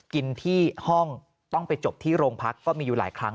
กินที่ห้องต้องไปจบที่โรงพักก็มีอยู่หลายครั้ง